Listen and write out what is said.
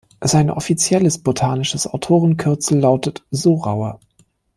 Sein offizielles botanisches Autorenkürzel lautet „Sorauer“.